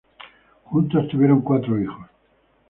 Juntos tuvieron cuatro niños.